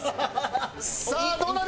さあどうなる？